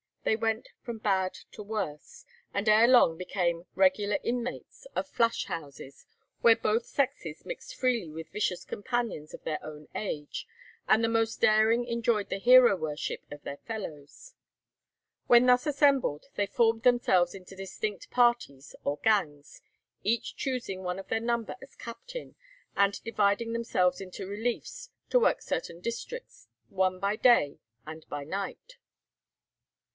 They went from bad to worse, and ere long became regular inmates of "flash houses," where both sexes mixed freely with vicious companions of their own age, and the most daring enjoyed the hero worship of their fellows. When thus assembled, they formed themselves into distinct parties or gangs, each choosing one of their number as captain, and dividing themselves into reliefs to work certain districts, one by day and by night.